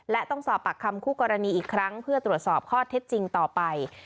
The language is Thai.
และต้องสอบปากคำคู่กรณีอีกครั้งเพื่อตรวจสอบข้อเท็จจริงต่อไป